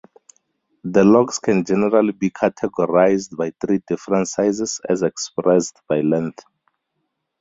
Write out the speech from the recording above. The locks can generally be categorized by three different sizes, as expressed by length.